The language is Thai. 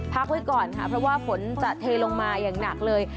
พักไว้ก่อนค่ะเพราะว่าฝนจะเทลงมาอย่างหนักเลย